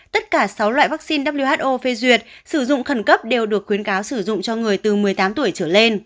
tất cả sáu loại vaccine who phê duyệt sử dụng khẩn cấp đều được khuyến cáo sử dụng cho người từ một mươi tám tuổi trở lên